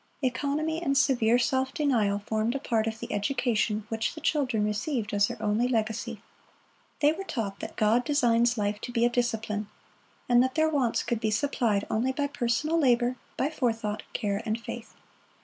Economy and severe self denial formed a part of the education which the children received as their only legacy. They were taught that God designs life to be a discipline, and that their wants could be supplied only by personal labor, by forethought, care, and faith.